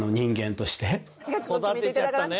育てちゃったね